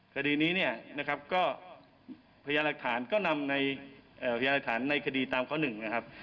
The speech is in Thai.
คดีนี้เนี่ยนะครับก็พยายามหลักฐานก็นำในพยานหลักฐานในคดีตามข้อหนึ่งนะครับ